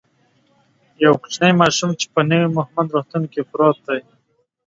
یو کوچنی ماشوم چی په نوی مهمند روغتون کی پروت دی